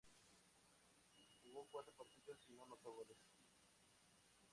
Jugó cuatro partidos y no anotó goles.